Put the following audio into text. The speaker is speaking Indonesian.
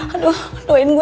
aduh doain gue